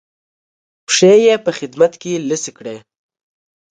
پښې یې په خدمت کې لڅې کړې.